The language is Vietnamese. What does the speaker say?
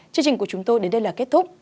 chương trình của chúng tôi đến đây là kết thúc